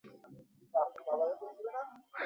গতকাল সকাল নয়টার দিকে কংস নদে গোসল করতে গিয়ে ডুবে যায়।